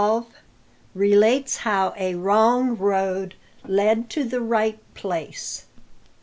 RELATES HOW A WRONG ROAD LED TO THE RIGHT PLACE.